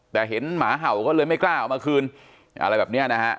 แต่เห็นหมาเห่าก็เลยไม่กล้าเอามาคืนอะไรแบบเนี้ยนะฮะ